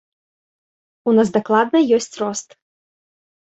У нас дакладна ёсць рост.